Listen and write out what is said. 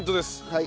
はい。